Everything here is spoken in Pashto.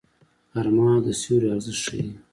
غرمه د سیوري ارزښت ښيي